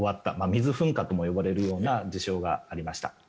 水噴火とも呼ばれるような事象がありました。